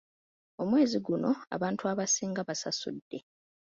Omwezi guno abantu abasinga basasuddde.